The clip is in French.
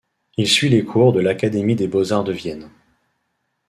Il suit les cours de l'Académie des beaux-arts de Vienne.